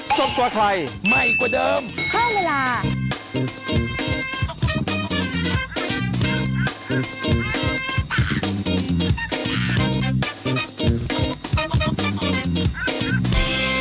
สวัสดีครับ